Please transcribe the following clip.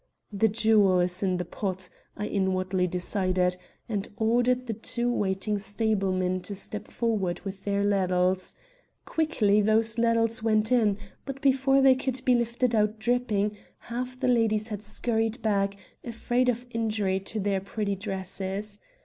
The jewel is in the pot, I inwardly decided, and ordered the two waiting stablemen to step forward with their ladles. Quickly those ladles went in, but before they could be lifted out dripping, half the ladies had scurried back, afraid of injury to their pretty dresses.